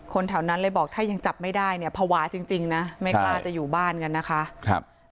แถวนั้นเลยบอกถ้ายังจับไม่ได้เนี่ยภาวะจริงนะไม่กล้าจะอยู่บ้านกันนะคะ